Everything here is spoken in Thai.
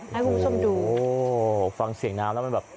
ให้คุณผู้ชมดูโอ้ฟังเสียงน้ำแล้วมันแบบ